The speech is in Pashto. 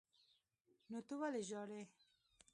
نو ته ولې ژاړې.